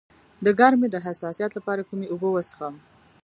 د ګرمۍ د حساسیت لپاره کومې اوبه وڅښم؟